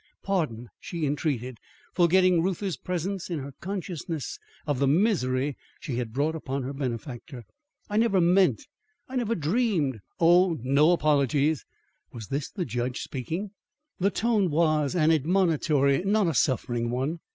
"Pardon," she entreated, forgetting Reuther's presence in her consciousness of the misery she had brought upon her benefactor. "I never meant I never dreamed " "Oh, no apologies!" Was this the judge speaking? The tone was an admonitory, not a suffering one.